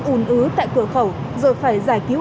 ủn ứ tại cửa khẩu rồi phải giải cứu